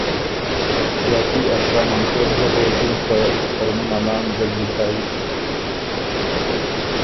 ݫاتي ا ݭامن خېل ګه غوېکِن که ”ترمُن ا نام ګه لیکئ